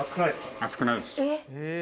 熱くないです。